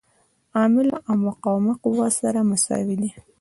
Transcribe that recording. عامله او مقاومه قوه سره مساوي دي.